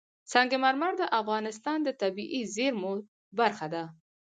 سنگ مرمر د افغانستان د طبیعي زیرمو برخه ده.